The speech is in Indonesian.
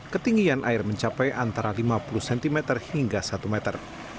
ketinggian air mencapai antara lima puluh cm hingga satu meter